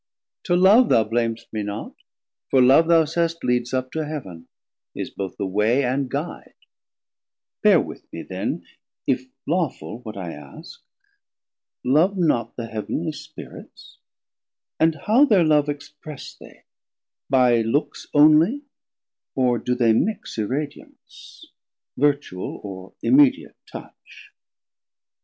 To love thou blam'st me not, for love thou saist Leads up to Heav'n, is both the way and guide; Bear with me then, if lawful what I ask; Love not the heav'nly Spirits, and how thir Love Express they, by looks onely, or do they mix Irradiance, virtual or immediate touch?